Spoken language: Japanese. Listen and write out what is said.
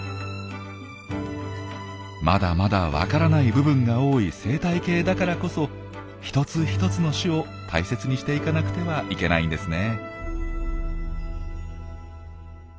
まだまだ分からない部分が多い生態系だからこそ一つ一つの種を大切にしていかなくてはいけないんですね。